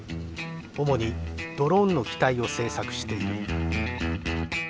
主にドローンの機体を製作している。